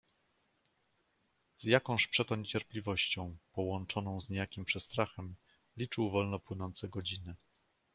"Z jakąż przeto niecierpliwością, połączoną z niejakim przestrachem, liczył wolno płynące godziny."